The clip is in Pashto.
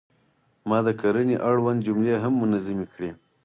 ما د کرنې اړوند جملې هم منظمې کړې.